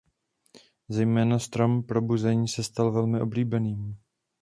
Zejména strom probuzení se stal velmi oblíbeným.